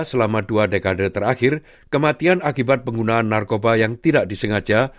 jika tidak maka kita akan menyebabkan kegunaan narkoba yang tidak disengaja